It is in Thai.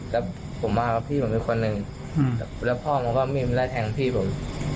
ผมเบิศมามีพี่ผมหนึ่งแล้วพ่อมันก็ไม่มีไล่แทงพี่ผม